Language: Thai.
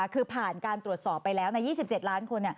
คือผ่านการตรวจสอบไปแล้วใน๒๗ล้านคน